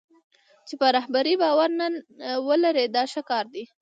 چې په رهبر باور ولري دا ښه کار دی.